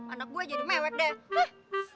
anak gue jadi mewet deh